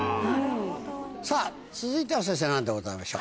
さぁ続いては先生何でございましょう？